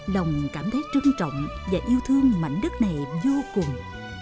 lòng cảm thấy trân trọng và yêu thương mảnh đất này vô cùng